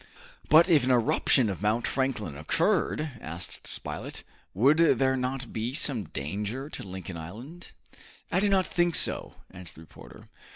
"But if an eruption of Mount Franklin occurred," asked Spilett, "would there not be some danger to Lincoln Island?" "I do not think so," answered the reporter.